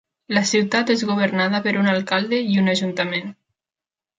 La ciutat és governada per un alcalde i un ajuntament.